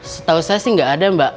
setahu saya sih nggak ada mbak